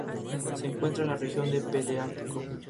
Llegó a tomar parte en Guerra de Marruecos.